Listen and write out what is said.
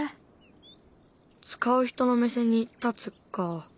使う人の目線に立つか。